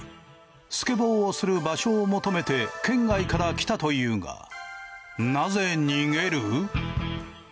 スケボーをする場所を求めて県外から来たというがなぜ逃げる？